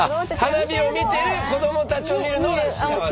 花火を見てる子どもたちを見るのは幸せ。